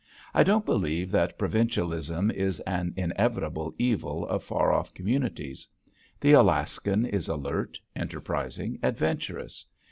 I don't believe that provincialism is an inevitable evil of far off communities. The Alaskan is alert, enterprising, adventurous.